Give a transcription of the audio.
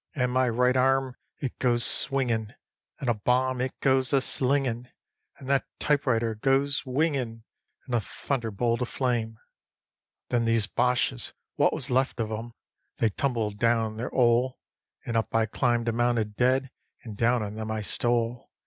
And my right arm it goes swingin', and a bomb it goes a slingin', And that "typewriter" goes wingin' in a thunderbolt of flame. Then these Boches, wot was left of 'em, they tumbled down their 'ole, And up I climbed a mound of dead, and down on them I stole.